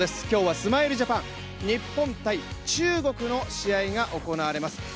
今日はスマイルジャパン、日本×中国の試合が行われます。